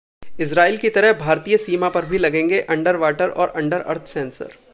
Israel की तरह भारतीय सीमा पर भी लगेंगे अंडर वाटर और अंडर अर्थ सेंसर